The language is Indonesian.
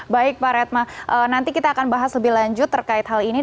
baik pak redma nanti kita akan bahas lebih lanjut terkait hal ini